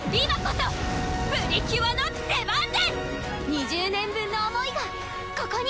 ２０年分の思いがここに